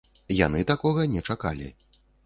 Яны такога не чакалі.